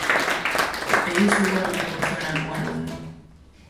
E iso igual me proporciona algún alumno.